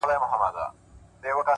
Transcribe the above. o زما د زړه کوتره ـ